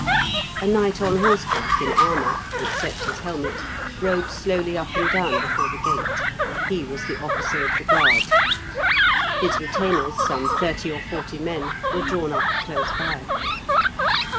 A knight on horseback in armour, except his helmet, rode slowly up and down before the gate; he was the officer of the guard. His retainers, some thirty or forty men, were drawn up close by.